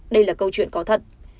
đây là câu chuyện có thật